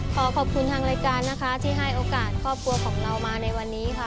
ขอขอบคุณทางรายการนะคะที่ให้โอกาสครอบครัวของเรามาในวันนี้ค่ะ